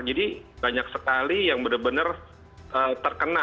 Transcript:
jadi banyak sekali yang benar benar terkena